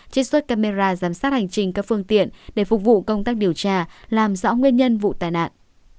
trích xuất camera giám sát hành trình các phương tiện để phục vụ công tác điều tra làm rõ nguyên nhân vụ tai nạn